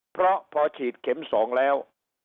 เพราะพอฉีดเข็ม๒แล้ว